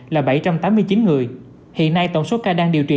là bảy trăm tám mươi chín người